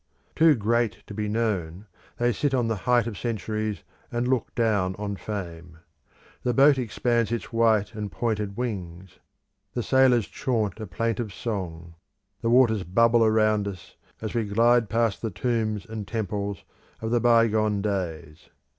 Too great to be known, they sit on the height of centuries and look down on fame. The boat expands its white and pointed wings; the sailors chaunt a plaintive song; the waters bubble around us as we glide past the tombs and temples of the by gone days.